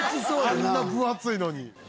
あんな分厚いのに。